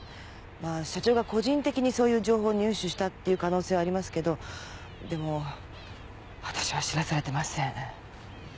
まぁ社長が個人的にそういう情報を入手したっていう可能性はありますけどでも私は知らされてません。